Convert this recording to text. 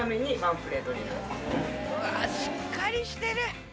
うわしっかりしてる！